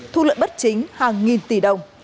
thu lợi bất chính hàng nghìn tỷ đồng